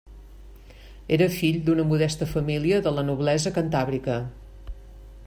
Era fill d'una modesta família de la noblesa cantàbrica.